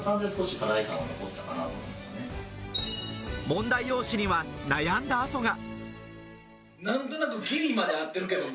問題用紙には悩んだあとが。